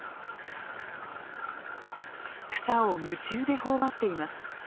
草を夢中でほおばっています。